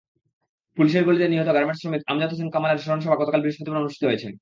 পুলিশের গুলিতে নিহত গার্মেন্টস শ্রমিক আমজাদ হোসেন কামালের স্মরণসভা গতকাল বৃহস্পতিবার অনুষ্ঠিত হয়েছে।